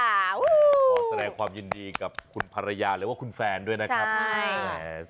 ขอแสดงความยินดีกับคุณภรรยาหรือว่าคุณแฟนด้วยนะครับ